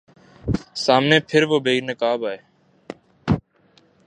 سامنے پھر وہ بے نقاب آئے